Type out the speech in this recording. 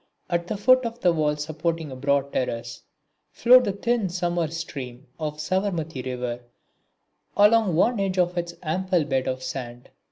At the foot of the wall supporting a broad terrace flowed the thin summer stream of the Savarmati river along one edge of its ample bed of sand.